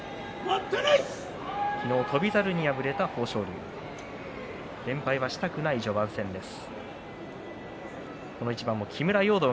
昨日、翔猿に敗れた豊昇龍連敗はしたくない序盤戦です。